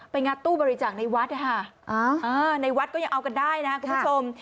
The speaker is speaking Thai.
ไปงัดตู้บริจักษ์ในวัดในวัดก็ยังเอากันได้นะคุณผู้ชม